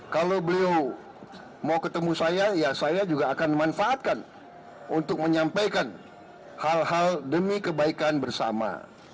kalau beliau mau ketemu saya ya saya juga akan manfaatkan untuk menyampaikan hal hal demi kebaikan bersama